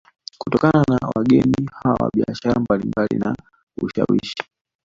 Kutokana na wageni hawa biashara mbalimbali na ushawishi